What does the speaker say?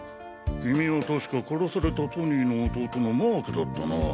君は確か殺されたトニーの弟のマークだったな。